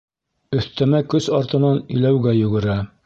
Өҫтәмә көс артынан иләүгә йүгерә.